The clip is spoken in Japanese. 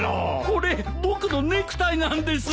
これ僕のネクタイなんです！